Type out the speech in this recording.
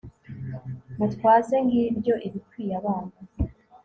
mutwaze, ngibyo ibikwiye abana